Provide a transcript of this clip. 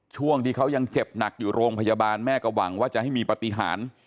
ช่วงที่เขายังเจ็บหนักอยู่โรงพยาบาลแม่ก็หวังว่าจะให้มีปฏิหาร